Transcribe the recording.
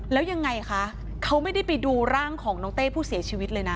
แล้วยังไงคะเขาไม่ได้ไปดูร่างของน้องเต้ผู้เสียชีวิตเลยนะ